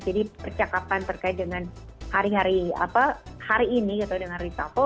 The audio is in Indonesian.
jadi percakapan terkait dengan hari hari hari ini dengan ritapo